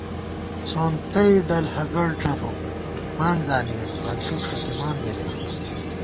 سونتَئ ڈل ہگَڑ ڄَبُک مِمان زانِیم انݪُک ݭُکِمان بی نئ